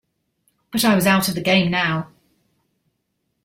But I was out of the game now.